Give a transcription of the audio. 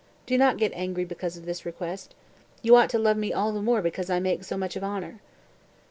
Do not get angry because of this request. You ought to love me all the more because I make so much of honor."